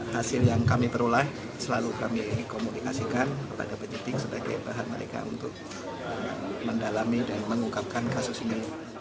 hasil yang kami peroleh selalu kami komunikasikan kepada penyidik sebagai bahan mereka untuk mendalami dan mengungkapkan kasus ini